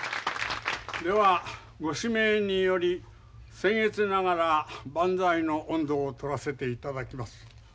ではご指名によりせん越ながら万歳の音頭をとらせていただきます。